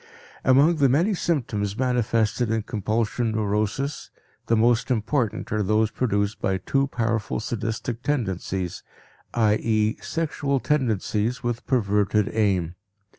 Among the many symptoms manifested in compulsion neurosis, the most important are those produced by too powerful sadistic tendencies, i.e., sexual tendencies with perverted aim.